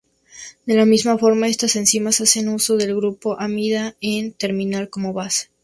De la misma forma estas enzimas hacen uso del grupo amida N-terminal como base.